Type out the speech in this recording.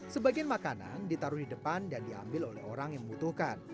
sebagian makanan ditaruh di depan dan diambil oleh orang yang membutuhkan